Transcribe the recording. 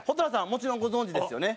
もちろんご存じですよね？